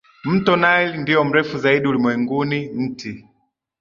Mto Nile ndio mrefu zaidi ulimwenguni Mti